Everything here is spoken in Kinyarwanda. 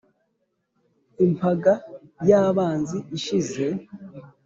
impaga y'abanzi ishize